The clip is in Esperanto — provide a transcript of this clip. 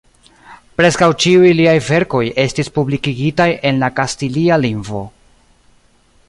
Preskaŭ ĉiuj liaj verkoj estis publikigitaj en la kastilia lingvo.